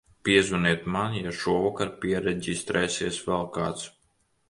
Piezvaniet man, ja šovakar piereģistrēsies vēl kāds.